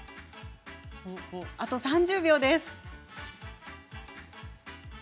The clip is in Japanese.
あと３０秒です。